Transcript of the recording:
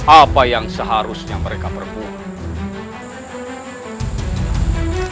apa yang seharusnya mereka perbuki